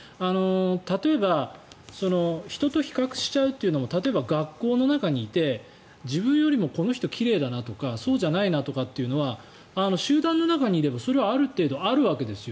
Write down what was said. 例えば人と比較しちゃうというのにも例えば学校の中にいて自分よりもこの人奇麗だなとかそうじゃないなというのは集団の中にいればそれはある程度あるわけですよ。